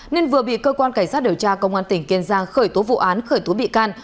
nên vừa bị cơ quan cảnh sát điều tra công an tỉnh kiên giang khởi tố vụ án khởi tố bị can